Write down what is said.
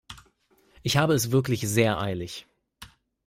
Ich habe es wirklich sehr eilig.